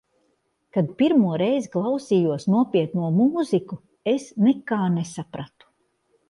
Kad pirmo reizi klausījos nopietno mūziku, es nekā nesapratu.